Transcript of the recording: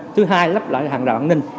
thứ hai là lắp lại hàng rạp an ninh